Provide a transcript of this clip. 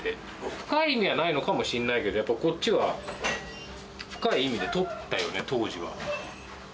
深い意味はないのかもしれないけど、やっぱりこっちは深い意味で取ったよね、当時は。